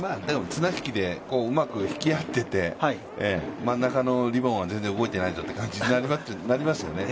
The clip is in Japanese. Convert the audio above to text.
綱引きでうまく引き合ってて、真ん中のリボンは全然動いていないぞという感じになりますよね。